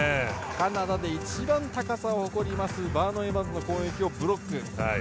カナダで一番高さを誇りますバーノン・エバンズの攻撃をブロック。